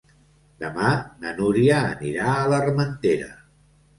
Demà na Núria anirà a l'Armentera.